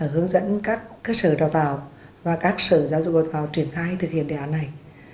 hướng dẫn các cơ sở đào tạo và các sở giáo dục đào tạo triển khai thực hiện đề án này